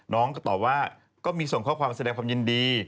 น้องก็ตอบว่าก็มีส่งข้อความแสดงความยินดี